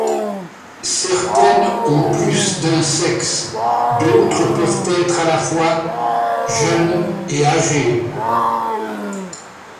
Certaines ont plus d’un sexe, d’autres peuvent être à la fois jeunes et âgées.